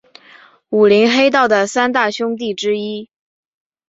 武林黑道的三大凶地之一。